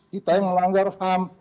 kita yang melanggar ham